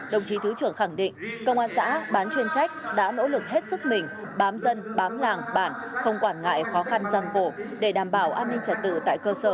đồng chí thứ trưởng khẳng định công an xã bán chuyên trách đã nỗ lực hết sức mình bám dân bám làng bản không quản ngại khó khăn gian khổ để đảm bảo an ninh trật tự tại cơ sở